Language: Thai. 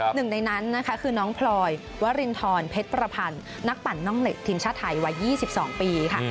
หนึ่งในนั้นนะคะคือน้องพลอยวรินทรเพชรประพันธ์นักปั่นน่องเหล็กทีมชาติไทยวัย๒๒ปีค่ะ